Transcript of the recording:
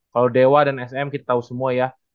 kalau dewa dan sm kita tahu semua ya